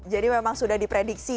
jadi memang sudah diprediksi ya